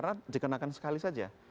nah jika kenakan sekali saja